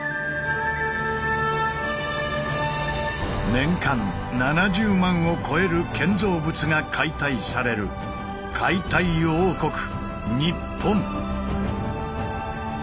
年間７０万を超える建造物が解体される解体王国日本。